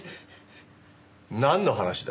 なんの話だ？